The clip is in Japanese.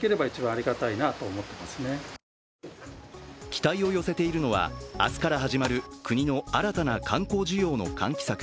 期待を寄せているのは、明日から始まる国の新たな観光需要の喚起策